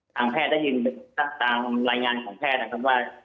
ทางแพทย์ได้ยินตามรายงานของแพทย์นะครับว่า